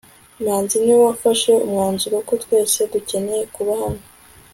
manzi niwe wafashe umwanzuro ko twese dukeneye kuba hano